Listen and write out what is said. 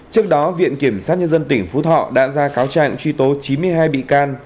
trước đó viện kiểm sát nhân dân tỉnh phú thọ đã ra cáo trạng truy tố chín mươi hai bị can